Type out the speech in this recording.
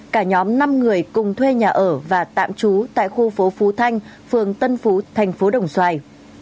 cả nhóm năm người cùng thuê nhà ở và tạm trú tại khu phố phú thanh phường tân phú thành phố đồng xoài